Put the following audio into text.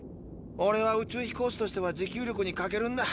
オレは宇宙飛行士としては持久力に欠けるんだ。